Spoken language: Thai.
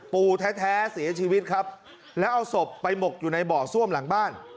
ปู่แท้เสียชีวิตครับแล้วเอาศพไปหมกอยู่ในบ่อซ่วมหลังบ้าน